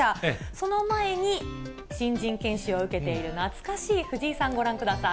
その前に、新人研修を受けている懐かしい藤井さん、ご覧ください。